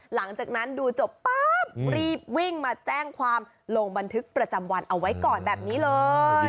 หลังจากนั้นดูจบปั๊บรีบวิ่งมาแจ้งความลงบันทึกประจำวันเอาไว้ก่อนแบบนี้เลย